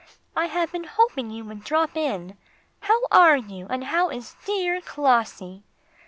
I have been hoping you would drop in. How are you, and how is dear Clossie?"